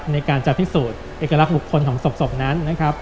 ในการจะพิสูจน์เอกลักษณ์บุคคลของศพนั้นนะครับ